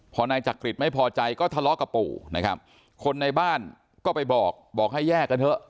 พอนายจักริตไม่พอใจก็ทะเลาะกับปู่นะครับคนในบ้านก็ไปบอกบอกให้แยกกันเถอะ